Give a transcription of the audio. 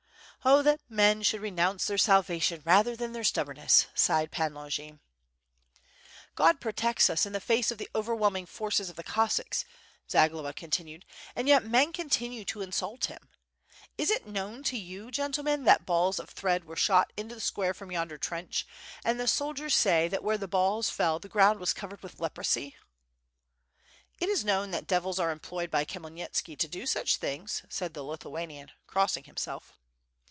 "Oh, that men should renounce their salvation rather than their stubbornness," sighed Pan Longin. "God protects us in the face of the overwhelming forces of the Cossacks," Zagloba continued, "and yet men continue to insult him. Is it known to you, gentlemen, that balls of thread were shot into the square from yonder trench, and the soldiers say that where the balls fell the ground was covered with leprosy?" "It is known that devils are employed by Khmyelnitski to do such things," said the Lithuanian, crossing himself.